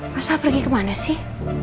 mas al pergi kemana sih